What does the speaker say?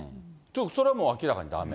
それはもう明らかにだめ。